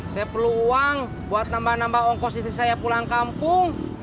saya perlu uang buat nambah nambah ongkos itu saya pulang kampung